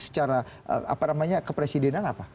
secara apa namanya kepresidenan apa